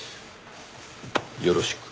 よろしく。